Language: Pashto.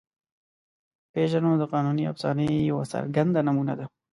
پيژو د قانوني افسانې یوه څرګنده نمونه ده.